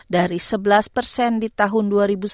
dari sebelas di tahun dua ribu satu